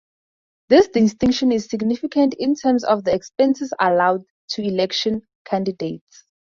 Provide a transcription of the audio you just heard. This distinction is significant in terms of the expenses allowed to election candidates.